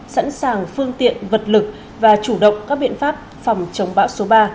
sẵn sàng phương tiện vật lực và chủ động các biện pháp phòng chống bão số ba